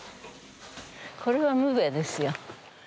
これはむべですよ。